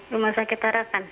rumah sakit tarakan